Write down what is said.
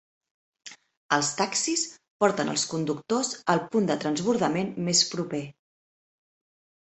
Els taxis porten els conductors al punt de transbordament més proper.